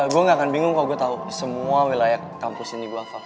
gue ga akan bingung kalo gue tau semua wilayah kampus ini bapak